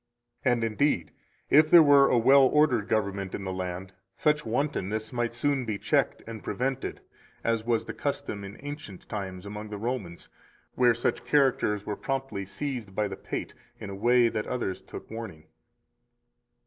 239 And indeed, if there were a well ordered government in the land, such wantonness might soon be checked and prevented, as was the custom in ancient times among the Romans, where such characters were promptly seized by the pate in a way that others took warning.